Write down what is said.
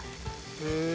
へえ。